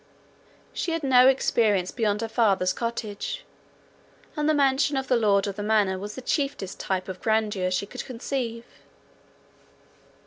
She had no experience beyond her father's cottage; and the mansion of the lord of the manor was the chiefest type of grandeur she could conceive.